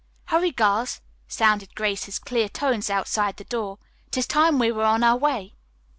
"Hurry, girls," sounded Grace's clear tones outside their door. "It is time we were on our way."